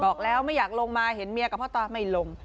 บอกแล้วไม่อยากลงมาเห็นเมียกับพ่อตาไม่ลง